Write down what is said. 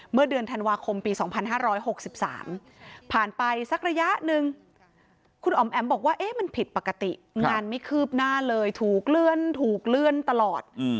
เมื่อเดือนธันวาคมปี๒๕๖๓ผ่านไปสักระยะหนึ่งคุณอ๋อมแอ๋มบอกว่ามันผิดปกติงานไม่คืบหน้าเลยถูกเลื่อนถูกเลื่อนตลอด